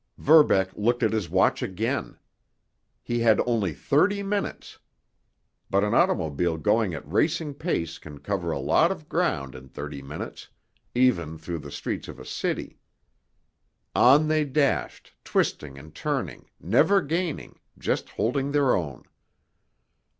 Verbeck looked at his watch again. He had only thirty minutes! But an automobile going at racing pace can cover a lot of ground in thirty minutes, even through the streets of a city. On they dashed, twisting and turning, never gaining, just holding their own.